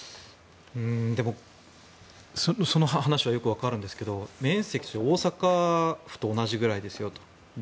でも、その話はよくわかるんですけど面積が大阪府と同じぐらいですよと。